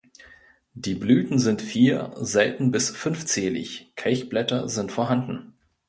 Die Blüten sind vier-, selten bis fünfzählig, Kelchblätter sind vorhanden.